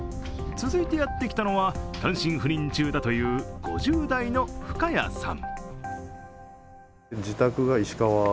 続いてやってきたのは単身赴任中だという５０代の深谷さん。